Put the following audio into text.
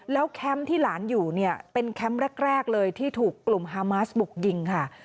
แล้วแคมป์ที่หลานอยู่เนี่ยเป็นแคมป์แรกเลยที่ถูกกลุ่มฮามาสบุกยิงค่ะ